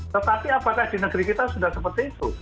tetapi apakah di negeri kita sudah seperti itu